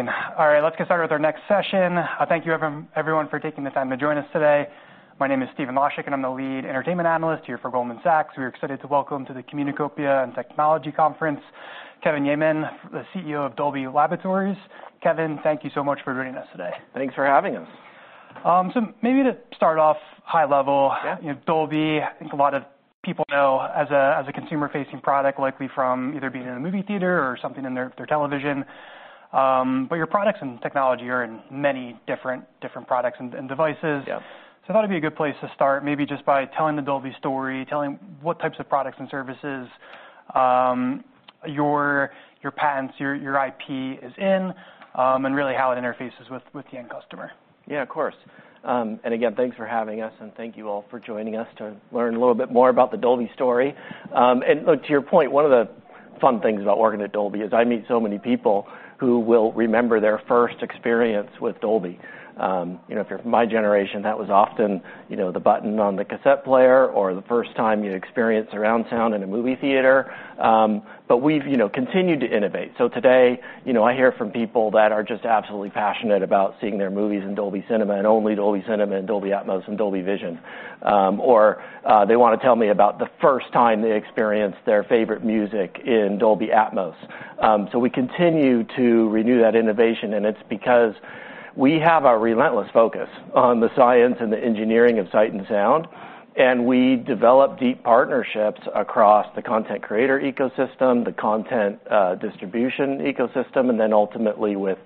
Amazing. All right, let's get started with our next session. Thank you everyone for taking the time to join us today. My name is Stephen Laszczyk, and I'm the lead entertainment analyst here for Goldman Sachs. We are excited to welcome to the Communicopia and Technology Conference, Kevin Yeaman, the CEO of Dolby Laboratories. Kevin, thank you so much for joining us today. Thanks for having us. So maybe to start off high level- Yeah. You know, Dolby, I think a lot of people know as a, as a consumer-facing product, likely from either being in a movie theater or something in their, their television. But your products and technology are in many different products and devices. Yeah. So I thought it'd be a good place to start, maybe just by telling the Dolby story, telling what types of products and services, your patents, your IP is in, and really how it interfaces with the end customer. Yeah, of course, and again, thanks for having us, and thank you all for joining us to learn a little bit more about the Dolby story, and to your point, one of the fun things about working at Dolby is I meet so many people who will remember their first experience with Dolby. You know, if you're from my generation, that was often, you know, the button on the cassette player or the first time you experienced surround sound in a movie theater, but we've, you know, continued to innovate, so today, you know, I hear from people that are just absolutely passionate about seeing their movies in Dolby Cinema, and only Dolby Cinema, and Dolby Atmos, and Dolby Vision, or they wanna tell me about the first time they experienced their favorite music in Dolby Atmos. So we continue to renew that innovation, and it's because we have a relentless focus on the science and the engineering of sight and sound, and we develop deep partnerships across the content creator ecosystem, the content distribution ecosystem, and then ultimately with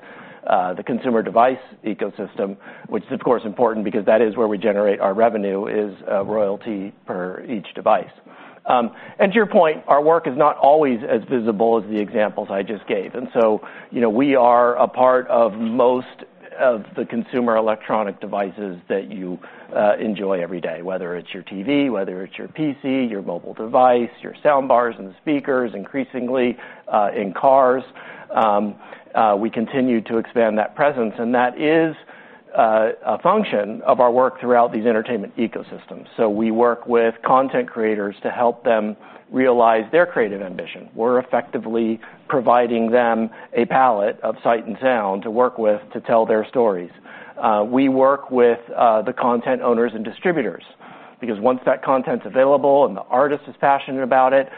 the consumer device ecosystem, which is, of course, important because that is where we generate our revenue, royalty per each device, and to your point, our work is not always as visible as the examples I just gave, and so, you know, we are a part of most of the consumer electronic devices that you enjoy every day, whether it's your TV, whether it's your PC, your mobile device, your sound bars, and speakers, increasingly in cars. We continue to expand that presence, and that is a function of our work throughout these entertainment ecosystems. So we work with content creators to help them realize their creative ambition. We're effectively providing them a palette of sight and sound to work with to tell their stories. We work with the content owners and distributors because once that content's available and the artist is passionate about it,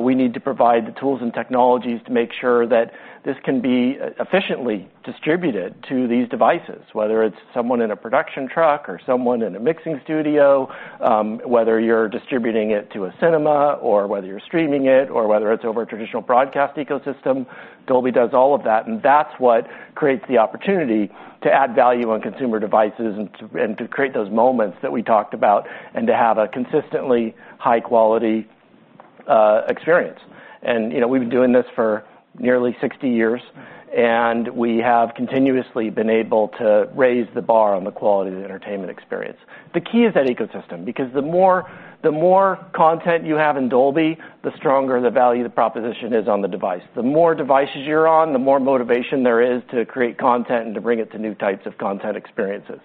we need to provide the tools and technologies to make sure that this can be efficiently distributed to these devices, whether it's someone in a production truck or someone in a mixing studio, whether you're distributing it to a cinema, or whether you're streaming it, or whether it's over a traditional broadcast ecosystem. Dolby does all of that, and that's what creates the opportunity to add value on consumer devices and to create those moments that we talked about, and to have a consistently high-quality experience. And, you know, we've been doing this for nearly 60 years, and we have continuously been able to raise the bar on the quality of the entertainment experience. The key is that ecosystem, because the more, the more content you have in Dolby, the stronger the value the proposition is on the device. The more devices you're on, the more motivation there is to create content and to bring it to new types of content experiences.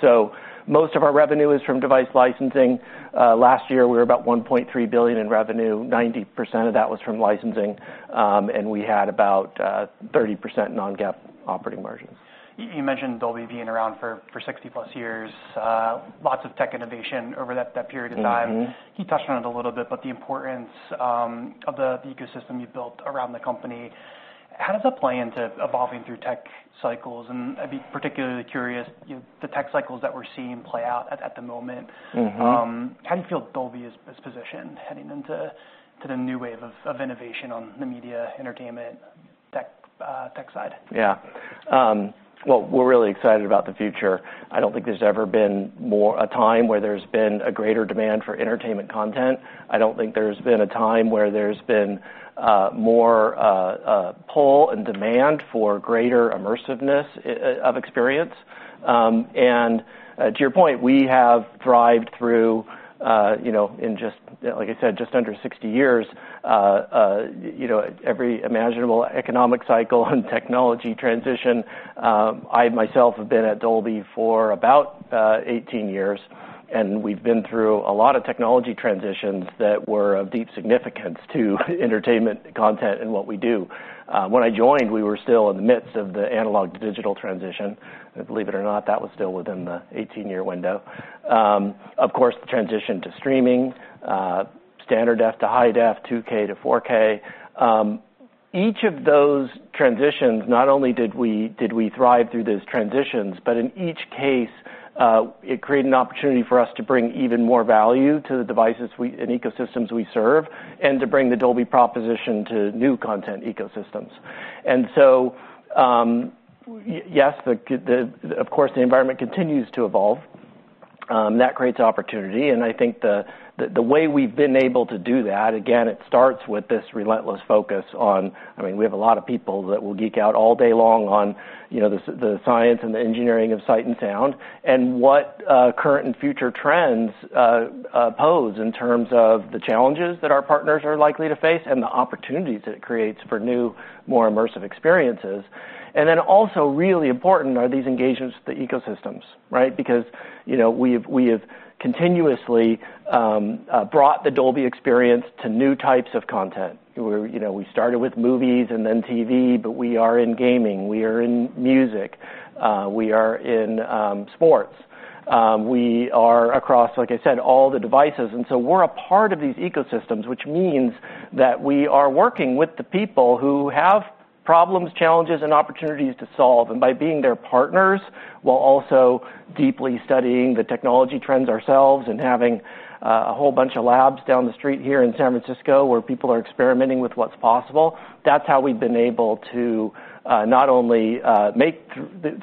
So most of our revenue is from device licensing. Last year, we were about $1.3 billion in revenue. 90% of that was from licensing, and we had about 30% non-GAAP operating margins. You mentioned Dolby being around for 60+ years, lots of tech innovation over that period of time. Mm-hmm. You touched on it a little bit, but the importance of the ecosystem you've built around the company, how does that play into evolving through tech cycles? And I'd be particularly curious, you know, the tech cycles that we're seeing play out at the moment. Mm-hmm. How do you feel Dolby is positioned heading into the new wave of innovation on the media, entertainment, tech side? Yeah. Well, we're really excited about the future. I don't think there's ever been more of a time where there's been a greater demand for entertainment content. I don't think there's been a time where there's been more pull and demand for greater immersiveness of experience. To your point, we have thrived through, you know, in just, like I said, just under 60 years, you know, every imaginable economic cycle on technology transition. I myself have been at Dolby for about 18 years, and we've been through a lot of technology transitions that were of deep significance to entertainment, content, and what we do. When I joined, we were still in the midst of the analog to digital transition. Believe it or not, that was still within the 18-year window. Of course, the transition to streaming, standard def to high def, 2K to 4K. Each of those transitions, not only did we thrive through those transitions, but in each case, it created an opportunity for us to bring even more value to the devices and ecosystems we serve, and to bring the Dolby proposition to new content ecosystems. And so, yes, of course, the environment continues to evolve, and that creates opportunity, and I think the way we've been able to do that, again, it starts with this relentless focus on... I mean, we have a lot of people that will geek out all day long on, you know, the science and the engineering of sight and sound, and what current and future trends pose in terms of the challenges that our partners are likely to face and the opportunities it creates for new, more immersive experiences, and then also really important are these engagements with the ecosystems, right? Because, you know, we have continuously brought the Dolby experience to new types of content, where, you know, we started with movies and then TV, but we are in gaming, we are in music, we are in sports, we are across, like I said, all the devices. And so we're a part of these ecosystems, which means that we are working with the people who have problems, challenges, and opportunities to solve. And by being their partners, while also deeply studying the technology trends ourselves and having a whole bunch of labs down the street here in San Francisco, where people are experimenting with what's possible, that's how we've been able to not only make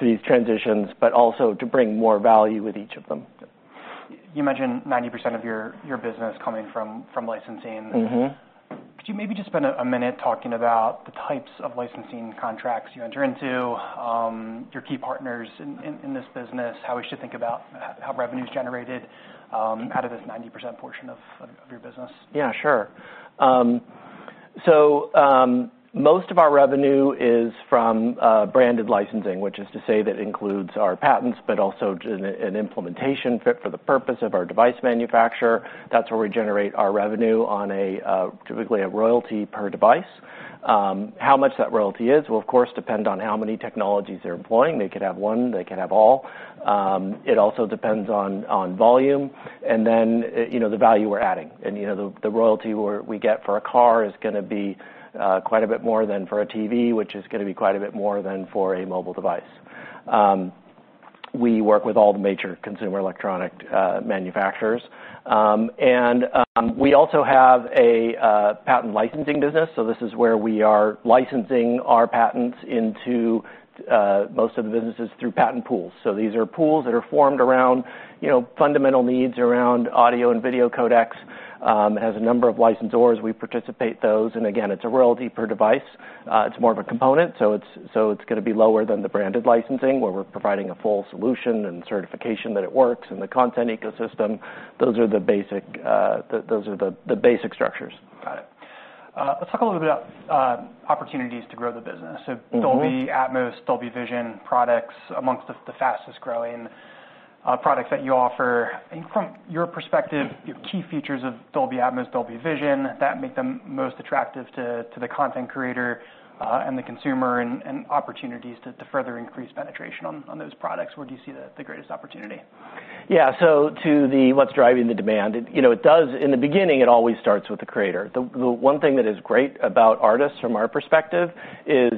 these transitions, but also to bring more value with each of them. You mentioned 90% of your business coming from licensing. Mm-hmm. Could you maybe just spend a minute talking about the types of licensing contracts you enter into, your key partners in this business, how we should think about how revenue is generated, out of this 90% portion of your business? Yeah, sure. So, most of our revenue is from branded licensing, which is to say that includes our patents, but also an implementation fit for the purpose of our device manufacturer. That's where we generate our revenue on a typically a royalty per device. How much that royalty is will, of course, depend on how many technologies they're employing. They could have one, they could have all. It also depends on volume, and then, you know, the value we're adding. And, you know, the royalty we get for a car is gonna be quite a bit more than for a TV, which is gonna be quite a bit more than for a mobile device. We work with all the major consumer electronic manufacturers. And we also have a patent licensing business, so this is where we are licensing our patents into most of the businesses through patent pools. So these are pools that are formed around, you know, fundamental needs around audio and video codecs. It has a number of licensors. We participate those, and again, it's a royalty per device. It's more of a component, so it's gonna be lower than the branded licensing, where we're providing a full solution and certification that it works in the content ecosystem. Those are the basic structures. Got it. Let's talk a little bit about opportunities to grow the business. Mm-hmm. So Dolby Atmos, Dolby Vision products amongst the fastest-growing products that you offer. And from your perspective, you know, key features of Dolby Atmos, Dolby Vision, that make them most attractive to the content creator and the consumer, and opportunities to further increase penetration on those products. Where do you see the greatest opportunity? Yeah. So to what's driving the demand, you know, it does. In the beginning, it always starts with the creator. The one thing that is great about artists from our perspective is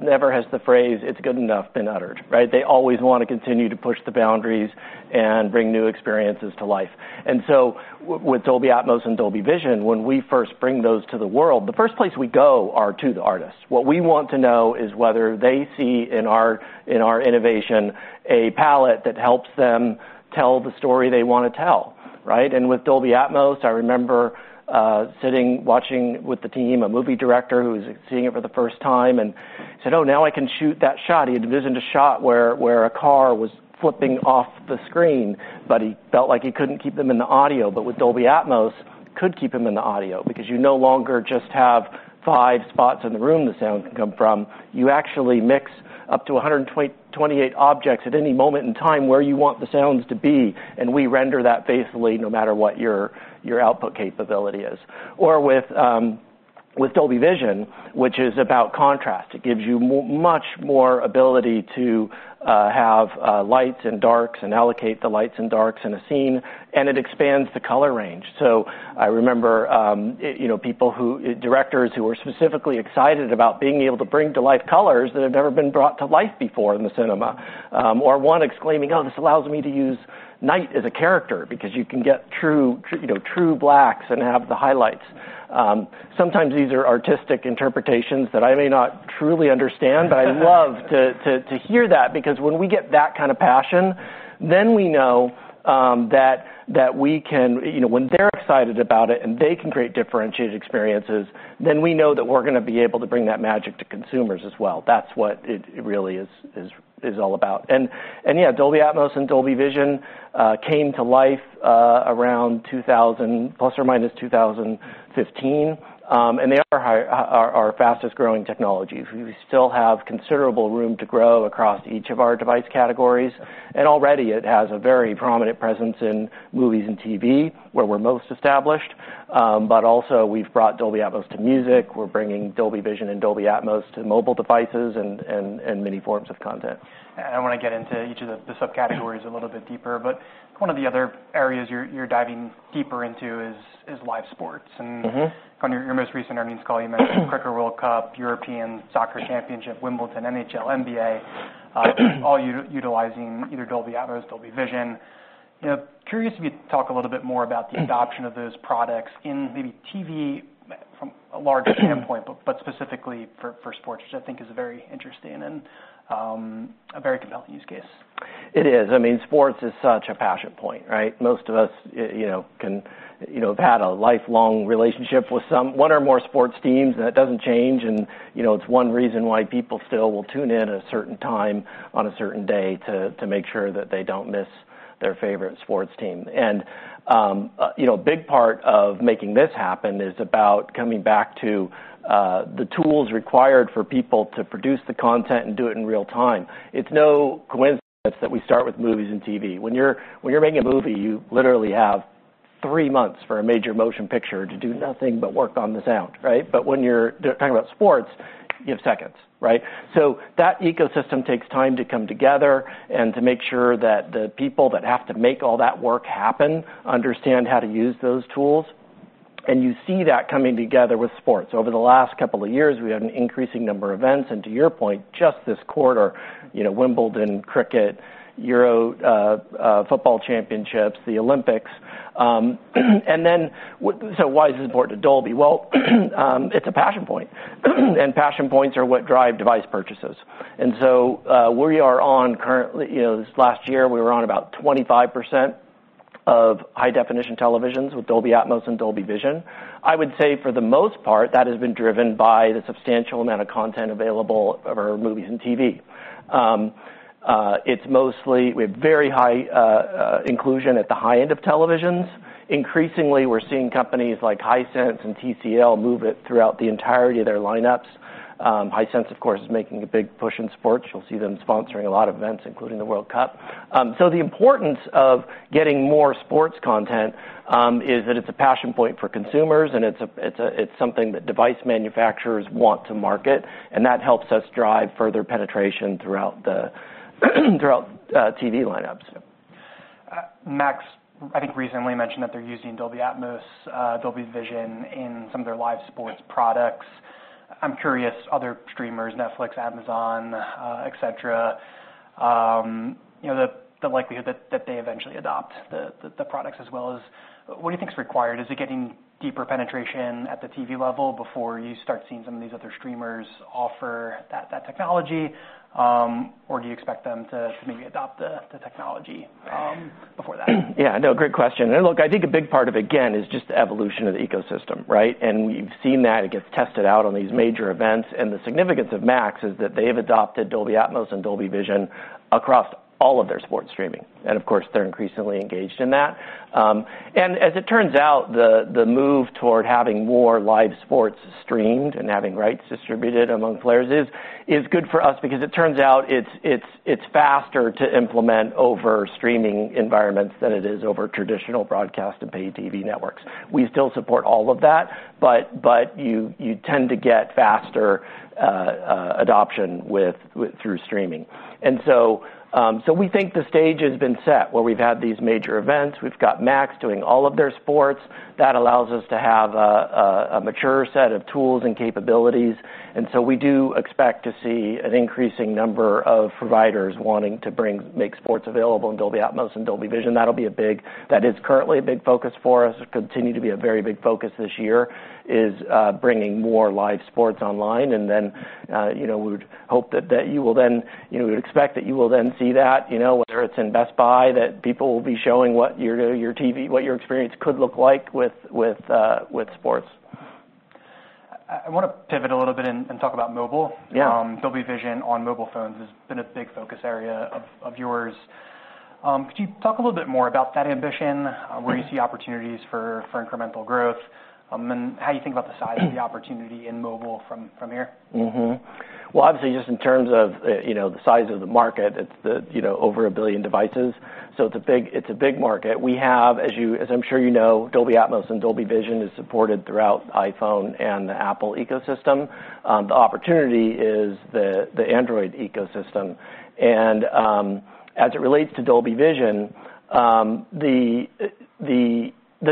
never has the phrase, "It's good enough," been uttered, right? They always wanna continue to push the boundaries and bring new experiences to life. And so with Dolby Atmos and Dolby Vision, when we first bring those to the world, the first place we go are to the artists. What we want to know is whether they see in our innovation a palette that helps them tell the story they wanna tell, right? And with Dolby Atmos, I remember sitting, watching with the team, a movie director who was seeing it for the first time, and he said, "Oh, now I can shoot that shot." He had envisioned a shot where a car was flipping off the screen, but he felt like he couldn't keep them in the audio. But with Dolby Atmos, could keep him in the audio, because you no longer just have five spots in the room the sound can come from. You actually mix up to a hundred and twenty-eight objects at any moment in time where you want the sounds to be, and we render that faithfully, no matter what your output capability is. Or with Dolby Vision, which is about contrast, it gives you much more ability to have lights and darks, and allocate the lights and darks in a scene, and it expands the color range. So I remember you know, people who... directors who were specifically excited about being able to bring to life colors that have never been brought to life before in the cinema. Or one exclaiming, "Oh, this allows me to use night as a character," because you can get true you know true blacks and have the highlights. Sometimes these are artistic interpretations that I may not truly understand,... But I love to hear that, because when we get that kind of passion, then we know that we can, you know, when they're excited about it, and they can create differentiated experiences, then we know that we're gonna be able to bring that magic to consumers as well. That's what it really is all about. And yeah, Dolby Atmos and Dolby Vision came to life around 2000, plus or minus 2015. And they are our fastest-growing technologies. We still have considerable room to grow across each of our device categories. And already it has a very prominent presence in movies and TV, where we're most established. But also, we've brought Dolby Atmos to music. We're bringing Dolby Vision and Dolby Atmos to mobile devices and many forms of content. I wanna get into each of the subcategories a little bit deeper, but one of the other areas you're diving deeper into is live sports. Mm-hmm. And on your most recent earnings call, you mentioned Cricket World Cup, European Soccer Championship, Wimbledon, NHL, NBA, all utilizing either Dolby Atmos, Dolby Vision. You know, curious if you'd talk a little bit more about the adoption of those products in maybe TV from a larger standpoint but specifically for sports, which I think is a very interesting and a very compelling use case. It is. I mean, sports is such a passion point, right? Most of us, you know, can, you know, have had a lifelong relationship with one or more sports teams, and that doesn't change. And, you know, it's one reason why people still will tune in at a certain time on a certain day to make sure that they don't miss their favorite sports team. And, you know, a big part of making this happen is about coming back to the tools required for people to produce the content and do it in real time. It's no coincidence that we start with movies and TV. When you're making a movie, you literally have three months for a major motion picture to do nothing but work on the sound, right? But when you're talking about sports, you have seconds, right? So that ecosystem takes time to come together and to make sure that the people that have to make all that work happen, understand how to use those tools, and you see that coming together with sports. Over the last couple of years, we had an increasing number of events, and to your point, just this quarter, you know, Wimbledon, cricket, Euro, football championships, the Olympics, and then, so why is this important to Dolby? Well, it's a passion point, and passion points are what drive device purchases. And so, we are on currently, you know, this last year, we were on about 25% of high-definition televisions with Dolby Atmos and Dolby Vision. I would say, for the most part, that has been driven by the substantial amount of content available for movies and TV. It's mostly we have very high inclusion at the high end of televisions. Increasingly, we're seeing companies like Hisense and TCL move it throughout the entirety of their lineups. Hisense, of course, is making a big push in sports. You'll see them sponsoring a lot of events, including the World Cup. So the importance of getting more sports content is that it's a passion point for consumers, and it's something that device manufacturers want to market, and that helps us drive further penetration throughout the TV lineups. Max, I think, recently mentioned that they're using Dolby Atmos, Dolby Vision in some of their live sports products. I'm curious, other streamers, Netflix, Amazon, et cetera, you know, the likelihood that they eventually adopt the products as well as what do you think is required? Is it getting deeper penetration at the TV level before you start seeing some of these other streamers offer that technology, or do you expect them to maybe adopt the technology before that? Yeah, no, great question. And look, I think a big part of, again, is just the evolution of the ecosystem, right? And we've seen that it gets tested out on these major events, and the significance of Max is that they've adopted Dolby Atmos and Dolby Vision across all of their sports streaming. And of course, they're increasingly engaged in that. And as it turns out, the move toward having more live sports streamed and having rights distributed among players is good for us because it turns out it's faster to implement over streaming environments than it is over traditional broadcast and paid TV networks. We still support all of that, but you tend to get faster adoption through streaming. And so we think the stage has been set, where we've had these major events. We've got Max doing all of their sports. That allows us to have a mature set of tools and capabilities. And so we do expect to see an increasing number of providers wanting to make sports available in Dolby Atmos and Dolby Vision. That'll be a big... That is currently a big focus for us, it continue to be a very big focus this year, is bringing more live sports online. And then, you know, we would hope that, that you will then, you know, we would expect that you will then see that, you know, whether it's in Best Buy, that people will be showing what your, your TV, what your experience could look like with, with sports. I wanna pivot a little bit and talk about mobile. Yeah. Dolby Vision on mobile phones has been a big focus area of yours. Could you talk a little bit more about that ambition, where you see opportunities for incremental growth, and how you think about the size of the opportunity in mobile from here? Mm-hmm. Well, obviously, just in terms of you know, the size of the market, it's you know, over a billion devices, so it's a big market. We have, as you, as I'm sure you know, Dolby Atmos and Dolby Vision is supported throughout iPhone and the Apple ecosystem. The opportunity is the Android ecosystem. And as it relates to Dolby Vision, the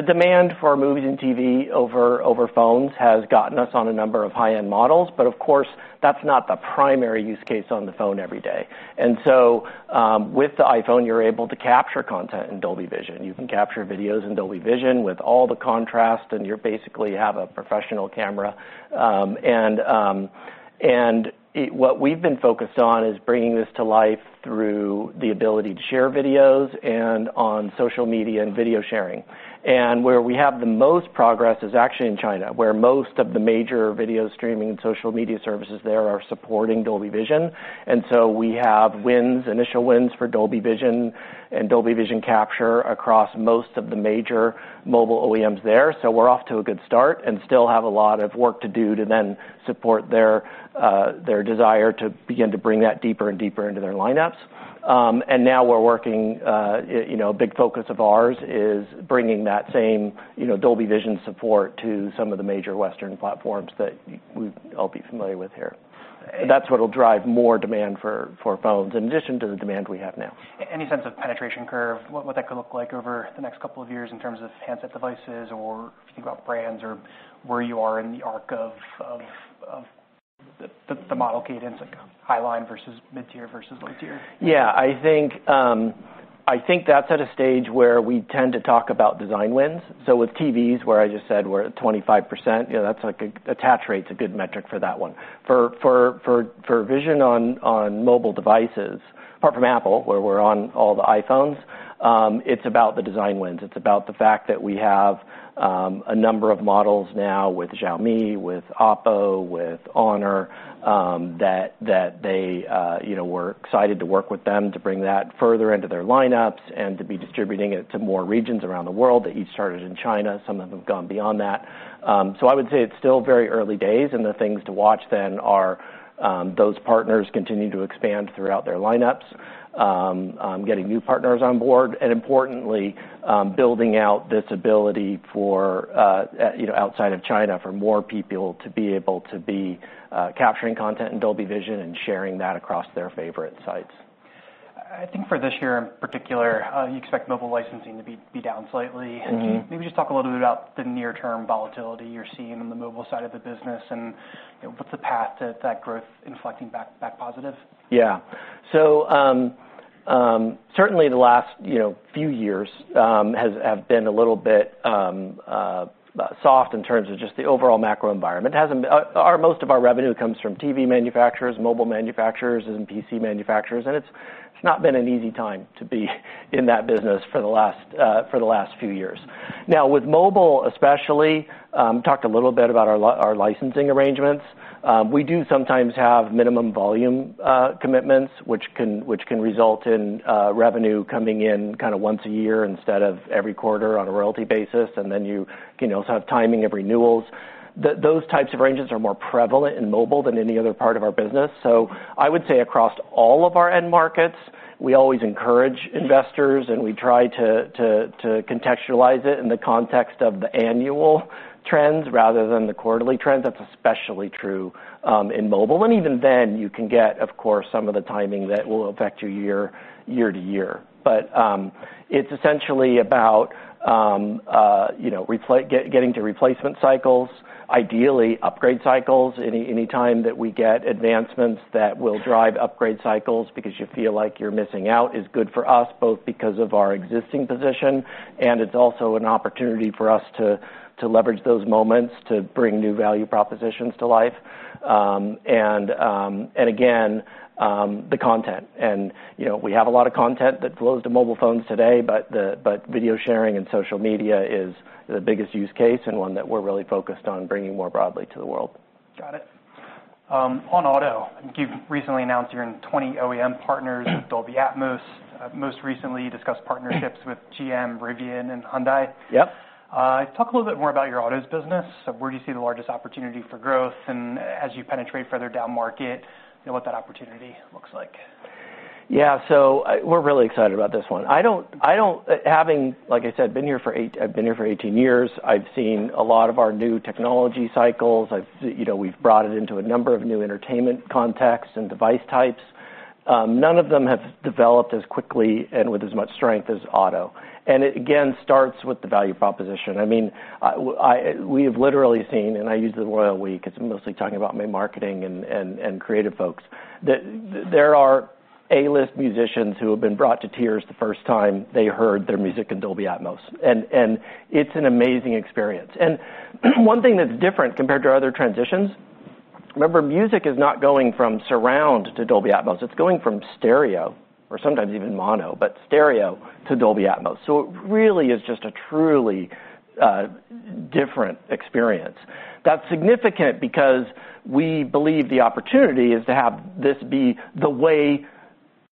demand for movies and TV over phones has gotten us on a number of high-end models, but of course, that's not the primary use case on the phone every day. With the iPhone, you're able to capture content in Dolby Vision. You can capture videos in Dolby Vision with all the contrast, and you basically have a professional camera. What we've been focused on is bringing this to life through the ability to share videos and on social media and video sharing, and where we have the most progress is actually in China, where most of the major video streaming and social media services there are supporting Dolby Vision, and so we have wins, initial wins for Dolby Vision and Dolby Vision capture across most of the major mobile OEMs there, so we're off to a good start and still have a lot of work to do to then support their desire to begin to bring that deeper and deeper into their lineups, and now we're working, you know, a big focus of ours is bringing that same, you know, Dolby Vision support to some of the major Western platforms that y'all be familiar with here. That's what will drive more demand for phones, in addition to the demand we have now. Any sense of penetration curve, what would that could look like over the next couple of years in terms of handset devices, or if you think about brands or where you are in the arc of the model cadence, like high line versus mid-tier versus low tier? Yeah, I think, I think that's at a stage where we tend to talk about design wins. So with TVs, where I just said we're at 25%, you know, that's like a attach rate's a good metric for that one. For vision on mobile devices, apart from Apple, where we're on all the iPhones, it's about the design wins. It's about the fact that we have a number of models now with Xiaomi, with Oppo, with Honor, that they, you know, we're excited to work with them to bring that further into their lineups and to be distributing it to more regions around the world. They each started in China, some of them have gone beyond that. So I would say it's still very early days, and the things to watch then are those partners continuing to expand throughout their lineups, getting new partners on board, and importantly, building out this ability for, you know, outside of China, for more people to be able to be capturing content in Dolby Vision and sharing that across their favorite sites. ... I think for this year, in particular, you expect mobile licensing to be down slightly. Mm-hmm. Maybe just talk a little bit about the near-term volatility you're seeing on the mobile side of the business, and, you know, what's the path to that growth inflecting back, back positive? Yeah. So, certainly the last, you know, few years, have been a little bit, soft in terms of just the overall macro environment. Most of our revenue comes from TV manufacturers, mobile manufacturers, and PC manufacturers, and it's, it's not been an easy time to be in that business for the last few years. Now, with mobile especially, talked a little bit about our licensing arrangements. We do sometimes have minimum volume commitments, which can result in, revenue coming in kind of once a year instead of every quarter on a royalty basis, and then you, you know, also have timing of renewals. Those types of arrangements are more prevalent in mobile than any other part of our business. I would say across all of our end markets, we always encourage investors, and we try to contextualize it in the context of the annual trends rather than the quarterly trends. That's especially true in mobile. Even then, you can get, of course, some of the timing that will affect you year to year. It's essentially about you know getting to replacement cycles, ideally upgrade cycles. Any time that we get advancements that will drive upgrade cycles because you feel like you're missing out is good for us, both because of our existing position, and it's also an opportunity for us to leverage those moments to bring new value propositions to life. And again the content. You know, we have a lot of content that flows to mobile phones today, but video sharing and social media is the biggest use case and one that we're really focused on bringing more broadly to the world. Got it. On auto, I think you've recently announced you're in 20 OEM partners, Dolby Atmos. Most recently discussed partnerships with GM, Rivian, and Hyundai. Yep. Talk a little bit more about your autos business. So where do you see the largest opportunity for growth? And as you penetrate further down market, you know, what that opportunity looks like. Yeah. So we're really excited about this one. Having, like I said, been here for eight- I've been here for eighteen years, I've seen a lot of our new technology cycles. You know, we've brought it into a number of new entertainment contexts and device types. None of them have developed as quickly and with as much strength as auto, and it again starts with the value proposition. I mean, we have literally seen, and I use the royal we, because I'm mostly talking about my marketing and creative folks, that there are A-list musicians who have been brought to tears the first time they heard their music in Dolby Atmos, and it's an amazing experience. And one thing that's different compared to our other transitions, remember, music is not going from surround to Dolby Atmos. It's going from stereo, or sometimes even mono, but stereo to Dolby Atmos, so it really is just a truly, different experience. That's significant because we believe the opportunity is to have this be the way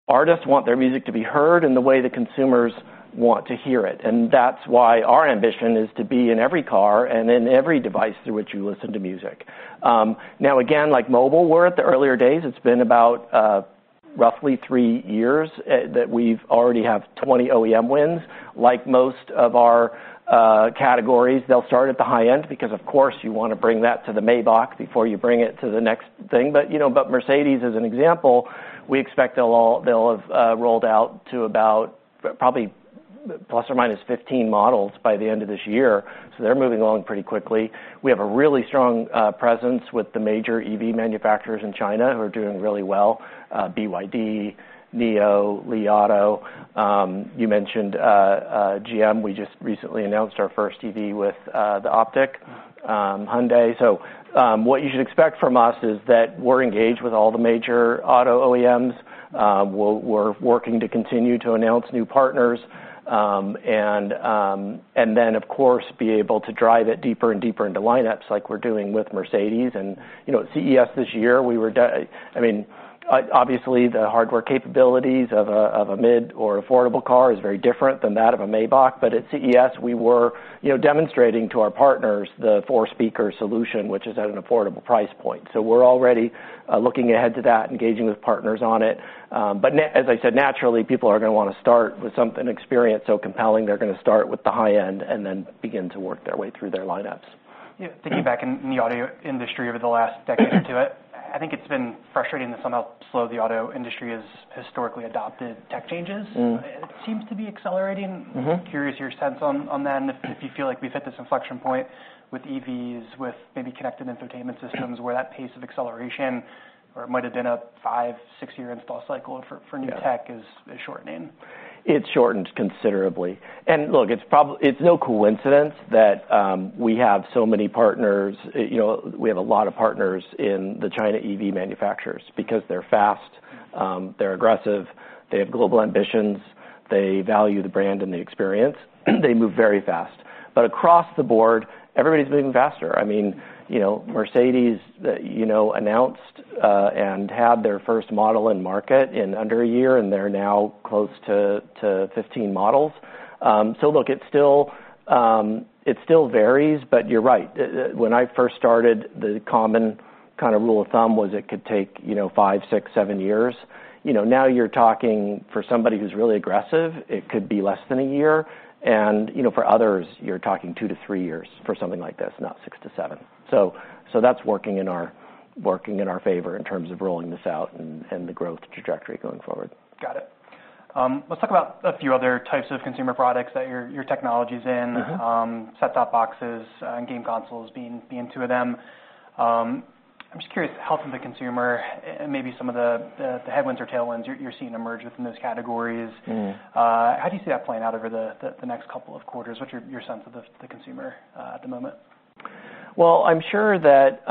artists want their music to be heard and the way that consumers want to hear it. And that's why our ambition is to be in every car and in every device through which you listen to music. Now, again, like mobile, we're at the earlier days. It's been about, roughly three years, that we've already have 20 OEM wins. Like most of our, categories, they'll start at the high end because, of course, you wanna bring that to the Maybach before you bring it to the next thing. But, you know, but Mercedes, as an example, we expect they'll have rolled out to about probably plus or minus fifteen models by the end of this year, so they're moving along pretty quickly. We have a really strong presence with the major EV manufacturers in China, who are doing really well: BYD, NIO, Li Auto. You mentioned GM. We just recently announced our first EV with the OPTIQ, Hyundai. So, what you should expect from us is that we're engaged with all the major auto OEMs. We're working to continue to announce new partners. And then, of course, be able to drive it deeper and deeper into lineups, like we're doing with Mercedes. You know, at CES this year, I mean, obviously, the hardware capabilities of a mid or affordable car is very different than that of a Maybach. At CES, we were, you know, demonstrating to our partners the four-speaker solution, which is at an affordable price point. We're already looking ahead to that, engaging with partners on it. As I said, naturally, people are gonna wanna start with something, an experience so compelling, they're gonna start with the high end and then begin to work their way through their lineups. Yeah. Thinking back in the auto industry over the last decade or two, I think it's been frustrating just how slow the auto industry has historically adopted tech changes. Mm. It seems to be accelerating. Mm-hmm. Curious your sense on that, and if you feel like we've hit this inflection point with EVs, with maybe connected infotainment systems, where that pace of acceleration, where it might have been a five, six-year install cycle for- Yeah... new tech is shortening. It's shortened considerably, and look, it's no coincidence that we have so many partners. You know, we have a lot of partners in the China EV manufacturers because they're fast, they're aggressive, they have global ambitions, they value the brand and the experience. They move very fast, but across the board, everybody's moving faster. I mean, you know, Mercedes, you know, announced and had their first model in market in under a year, and they're now close to fifteen models. So look, it's still, it still varies, but you're right. When I first started, the common kind of rule of thumb was it could take, you know, five, six, seven years. You know, now you're talking, for somebody who's really aggressive, it could be less than a year. And, you know, for others, you're talking two to three years for something like this, not six to seven. So that's working in our favor in terms of rolling this out and the growth trajectory going forward. Got it... Let's talk about a few other types of consumer products that your technology's in. Mm-hmm. Set-top boxes and game consoles being two of them. I'm just curious, the health of the consumer and maybe some of the headwinds or tailwinds you're seeing emerge within those categories. Mm. How do you see that playing out over the next couple of quarters? What's your sense of the consumer at the moment? I'm sure that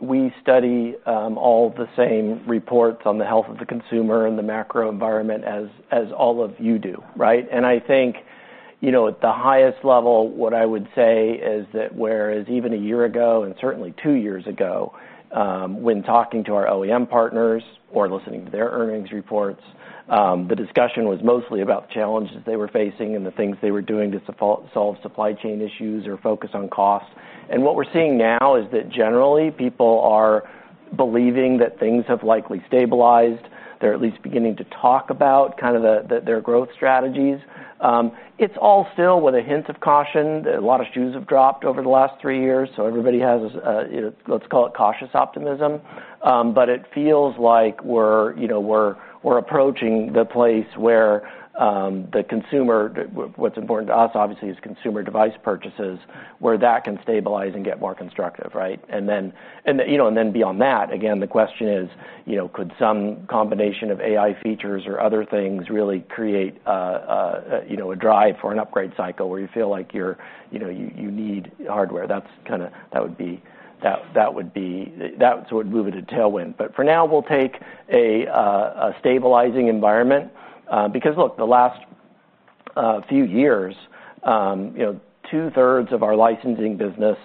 we study all the same reports on the health of the consumer and the macro environment as all of you do, right? And I think, you know, at the highest level, what I would say is that whereas even a year ago, and certainly two years ago, when talking to our OEM partners or listening to their earnings reports, the discussion was mostly about the challenges they were facing and the things they were doing to solve supply chain issues or focus on costs. And what we're seeing now is that, generally, people are believing that things have likely stabilized. They're at least beginning to talk about kind of their growth strategies. It's all still with a hint of caution. A lot of shoes have dropped over the last three years, so everybody has, you know, let's call it cautious optimism. But it feels like we're, you know, approaching the place where the consumer, what's important to us, obviously, is consumer device purchases, where that can stabilize and get more constructive, right? And then, you know, beyond that, again, the question is, you know, could some combination of AI features or other things really create, you know, a drive for an upgrade cycle where you feel like you're, you know, you need hardware? That's kinda that would be that would move it to tailwind. But for now, we'll take a stabilizing environment, because look, the last few years, you know, two-thirds of our licensing business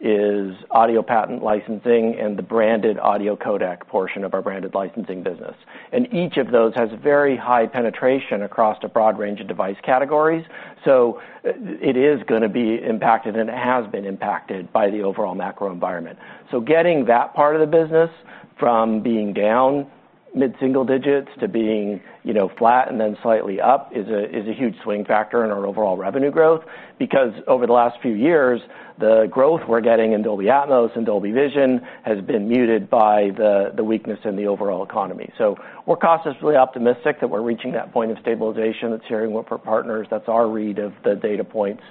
is audio patent licensing and the branded audio codec portion of our branded licensing business. And each of those has very high penetration across a broad range of device categories. So it is gonna be impacted, and it has been impacted by the overall macro environment. So getting that part of the business from being down mid-single digits to being, you know, flat and then slightly up is a huge swing factor in our overall revenue growth. Because over the last few years, the growth we're getting in Dolby Atmos and Dolby Vision has been muted by the weakness in the overall economy. So we're cautiously optimistic that we're reaching that point of stabilization. That's what we're hearing from our partners. That's our read of the data points.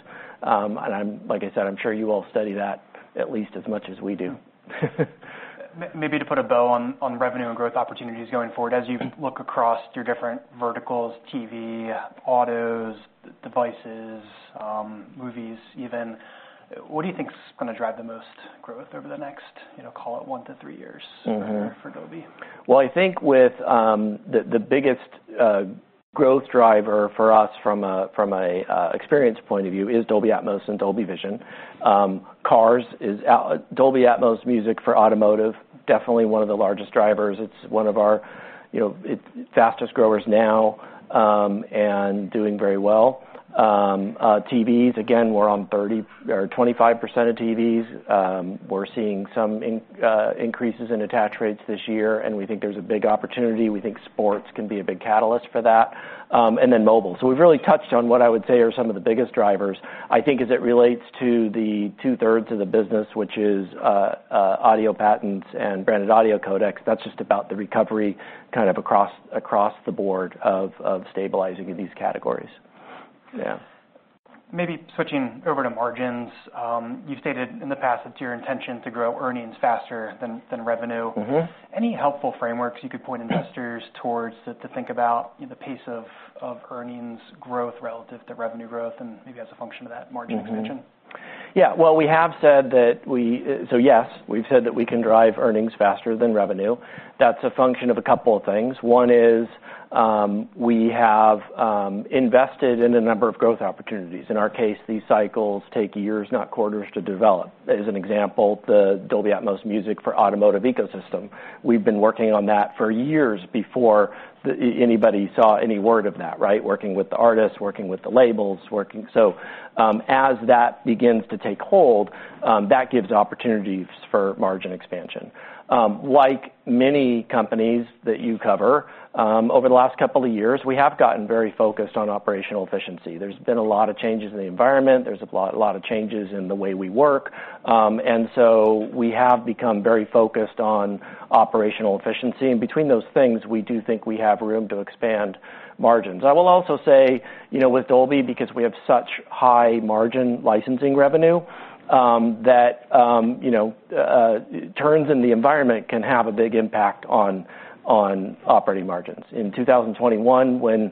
Like I said, I'm sure you all study that at least as much as we do. Maybe to put a bow on revenue and growth opportunities going forward, as you look across your different verticals, TV, autos, devices, movies even, what do you think is gonna drive the most growth over the next, you know, call it one to three years? Mm-hmm -for Dolby? I think with the biggest growth driver for us from a experience point of view is Dolby Atmos and Dolby Vision. Cars is Dolby Atmos music for automotive, definitely one of the largest drivers. It's one of our, you know, it's fastest growers now, and doing very well. TVs, again, we're on 30 or 25% of TVs. We're seeing some increases in attach rates this year, and we think there's a big opportunity. We think sports can be a big catalyst for that. And then mobile. We've really touched on what I would say are some of the biggest drivers. I think as it relates to the two-thirds of the business, which is audio patents and branded audio codecs, that's just about the recovery kind of across the board of stabilizing in these categories. Yeah. Maybe switching over to margins. You've stated in the past it's your intention to grow earnings faster than revenue. Mm-hmm. Any helpful frameworks you could point investors towards to think about the pace of earnings growth relative to revenue growth and maybe as a function of that margin expansion? Mm-hmm. Yeah, well, we have said that we. So, yes, we've said that we can drive earnings faster than revenue. That's a function of a couple of things. One is, we have invested in a number of growth opportunities. In our case, these cycles take years, not quarters, to develop. As an example, the Dolby Atmos music for automotive ecosystem. We've been working on that for years before anybody saw any word of that, right? Working with the artists, working with the labels, so, as that begins to take hold, that gives opportunities for margin expansion. Like many companies that you cover, over the last couple of years, we have gotten very focused on operational efficiency. There's been a lot of changes in the environment. There's a lot of changes in the way we work. And so we have become very focused on operational efficiency, and between those things, we do think we have room to expand margins. I will also say, you know, with Dolby, because we have such high-margin licensing revenue, that, you know, turns in the environment can have a big impact on operating margins. In 2021, when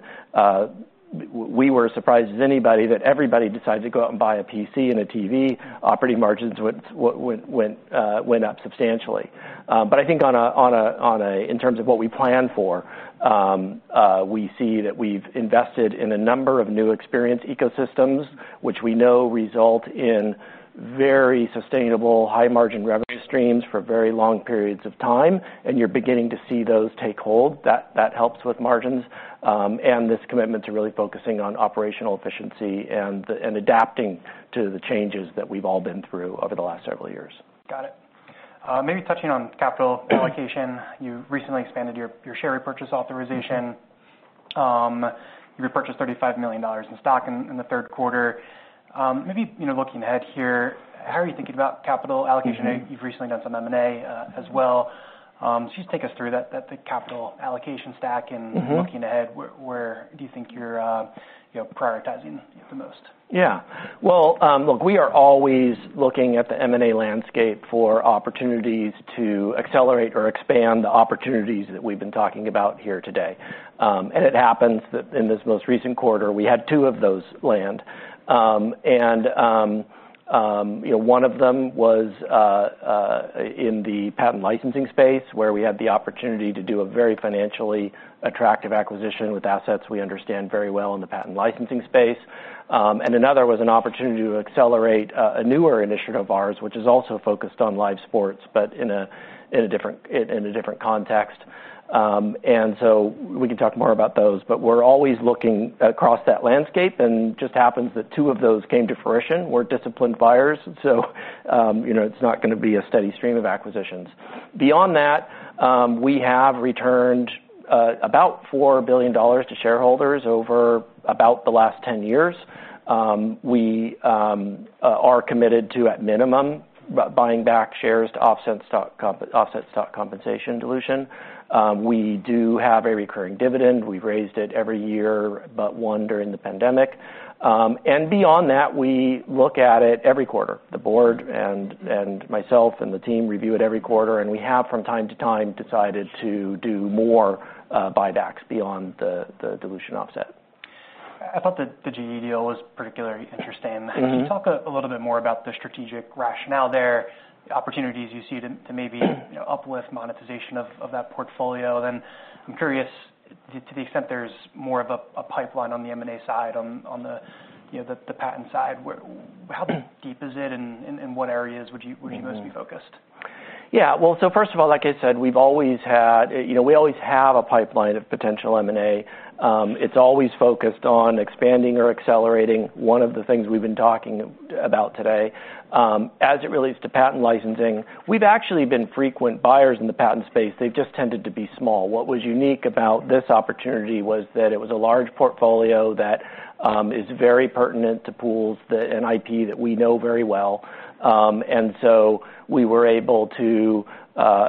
we were as surprised as anybody, that everybody decided to go out and buy a PC and a TV, operating margins went up substantially. But I think in terms of what we plan for, we see that we've invested in a number of new experience ecosystems, which we know result in very sustainable, high-margin revenue streams for very long periods of time, and you're beginning to see those take hold. That helps with margins, and this commitment to really focusing on operational efficiency and adapting to the changes that we've all been through over the last several years. Got it. Maybe touching on capital allocation. You recently expanded your share repurchase authorization. Mm-hmm. You repurchased $35 million in stock in the third quarter. Maybe, you know, looking ahead here, how are you thinking about capital allocation? I know you've recently done some M&A, as well. So just take us through that, the capital allocation stack- Mm-hmm. And looking ahead, where do you think you're, you know, prioritizing the most? Yeah. Well, look, we are always looking at the M&A landscape for opportunities to accelerate or expand the opportunities that we've been talking about here today. And it happens that in this most recent quarter, we had two of those land. And, you know, one of them was in the patent licensing space, where we had the opportunity to do a very financially attractive acquisition with assets we understand very well in the patent licensing space. And another was an opportunity to accelerate a newer initiative of ours, which is also focused on live sports, but in a different context. And so we can talk more about those, but we're always looking across that landscape, and just happens that two of those came to fruition. We're disciplined buyers, so, you know, it's not gonna be a steady stream of acquisitions. Beyond that, we have returned about $4 billion to shareholders over about the last ten years. We are committed to, at minimum, buying back shares to offset stock compensation dilution. We do have a recurring dividend. We've raised it every year, but one during the pandemic, and beyond that, we look at it every quarter. The board and myself and the team review it every quarter, and we have, from time to time, decided to do more buybacks beyond the dilution offset. I thought the GE deal was particularly interesting. Mm-hmm. Can you talk a little bit more about the strategic rationale there, the opportunities you see to maybe you know, uplift monetization of that portfolio? Then I'm curious, to the extent there's more of a pipeline on the M&A side, on the you know, the patent side, where how deep is it, and what areas would you- Mm-hmm... would you most be focused? Yeah. Well, so first of all, like I said, we've always had, you know, we always have a pipeline of potential M&A. It's always focused on expanding or accelerating one of the things we've been talking about today. As it relates to patent licensing, we've actually been frequent buyers in the patent space. They've just tended to be small. What was unique about this opportunity was that it was a large portfolio that is very pertinent to pools, and IP that we know very well. And so we were able to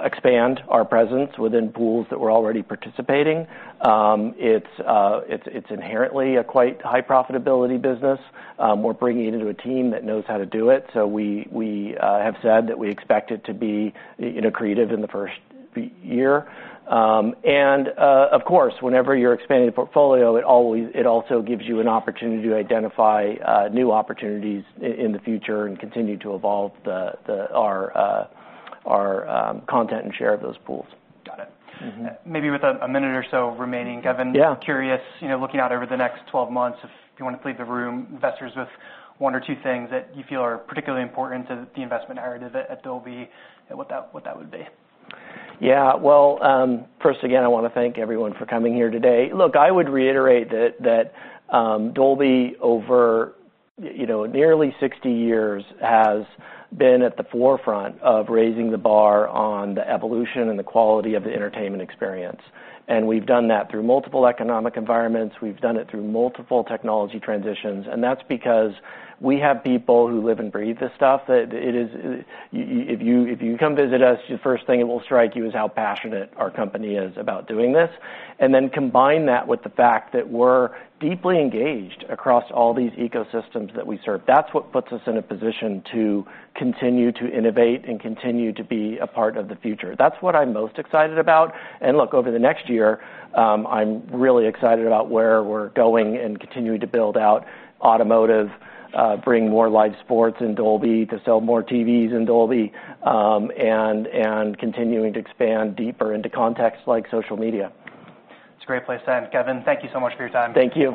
expand our presence within pools that were already participating. It's inherently a quite high profitability business. We're bringing it into a team that knows how to do it, so we have said that we expect it to be accretive in the first year. And, of course, whenever you're expanding the portfolio, it always also gives you an opportunity to identify new opportunities in the future and continue to evolve our content and share of those pools. Got it. Mm-hmm. Maybe with a minute or so remaining, Kevin- Yeah. I'm curious, you know, looking out over the next 12 months, if you want to leave the room, investors, with one or two things that you feel are particularly important to the investment narrative at Dolby, and what that would be? Yeah, well, first, again, I wanna thank everyone for coming here today. Look, I would reiterate that Dolby, over, you know, nearly 60 years, has been at the forefront of raising the bar on the evolution and the quality of the entertainment experience, and we've done that through multiple economic environments. We've done it through multiple technology transitions, and that's because we have people who live and breathe this stuff, that it is. If you come visit us, the first thing that will strike you is how passionate our company is about doing this, and then combine that with the fact that we're deeply engaged across all these ecosystems that we serve. That's what puts us in a position to continue to innovate and continue to be a part of the future. That's what I'm most excited about. Look, over the next year, I'm really excited about where we're going and continuing to build out automotive, bring more live sports in Dolby, to sell more TVs in Dolby, and continuing to expand deeper into contexts like social media. It's a great place to end. Kevin, thank you so much for your time. Thank you.